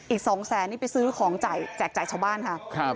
อีก๒แสนนี่ไปซื้อของแจกจ่ายชาวบ้านค่ะ